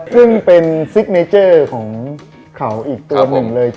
คุณเป็นซิกเนเจอร์ของข่าวอีกตรงหนึ่งเลย